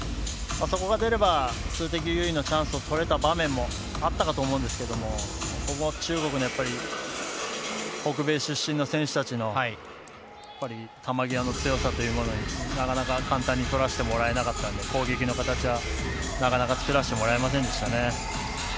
そこが出れば数的優位のチャンスを作れた場面もあったかと思うんですけども、中国に北米出身の選手たちの球際の強さというものになかなか簡単に取らせてもらえなかったので攻撃の形は、なかなか作らせてもらえませんでしたね。